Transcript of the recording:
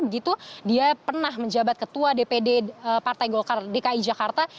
begitu dia pernah menjabat ketua dpd partai golkar dki jakarta